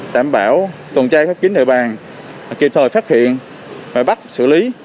đảm bảo tuần tra các kiến địa bàn kịp thời phát hiện và bắt xử lý